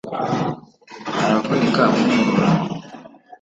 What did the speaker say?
Aravunika mumurora